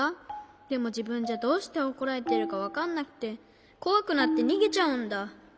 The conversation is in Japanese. でもじぶんじゃどうしておこられてるかわかんなくてこわくなってにげちゃうんだ。